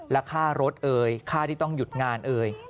และค่ารถเอ่ยค่าที่ต้องหยุดงานเอ่ย